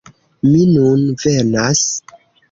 "Mi nun venas!"